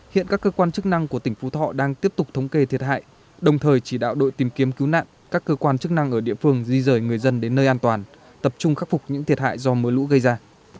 hiện các cơ quan chức năng của tỉnh phú thọ đang tiếp tục thống kê thiệt hại đồng thời chỉ đạo đội tìm kiếm cứu nạn các cơ quan chức năng ở địa phương di rời người dân đến nơi an toàn tập trung khắc phục những thiệt hại do mưa lũ gây ra